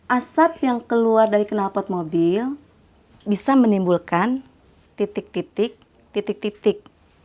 asap yang keluar dari kenalpot mobil bisa menimbulkan titik titik titik